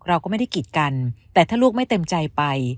เราก็ไม่ได้กีดกันแต่ถ้าลูกไม่เต็มใจไป